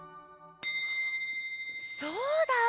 そうだ！